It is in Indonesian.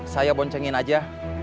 saya boncengin aja